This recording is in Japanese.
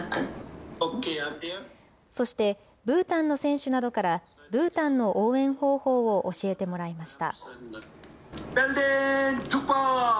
そして、ブータンの選手などからブータンの応援方法を教えてもらいました。